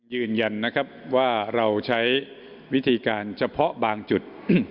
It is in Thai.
ยืนยันนะครับว่าเราใช้วิธีการเฉพาะบางจุด